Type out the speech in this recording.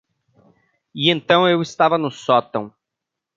E então eu estava no sótão.